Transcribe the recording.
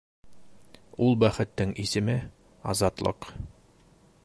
Ул бәхеттең исеме — азатлыҡ.